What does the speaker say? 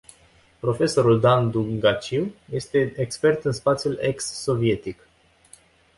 Profesorul Dan Dungaciu este expert în spațiul ex sovietic.